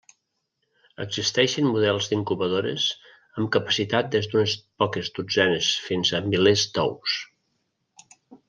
Existeixen models d'incubadores amb capacitat des d'unes poques dotzenes fins a milers d'ous.